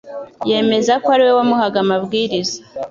yemeza ko ari we wamuhaga amabwiriza.